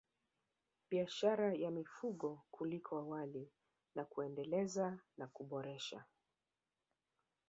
Biashara ya mifugo kuliko awali na kuendeleza na kuboresha